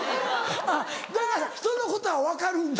だからひとのことは分かるんだ。